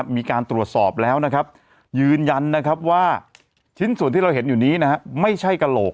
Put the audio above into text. มีการตรวจสอบแล้วนะครับยืนยันว่าชิ้นส่วนที่เราเห็นอยู่นี้ไม่ใช่กระโหลก